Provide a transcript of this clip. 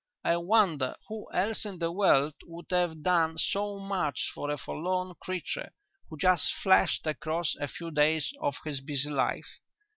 I wonder who else in the world would have done so much for a forlorn creature who just flashed across a few days of his busy life?